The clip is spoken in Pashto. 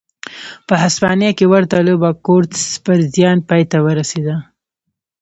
په هسپانیا کې ورته لوبه کورتس پر زیان پای ته ورسېده.